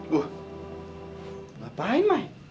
bu ngapain mai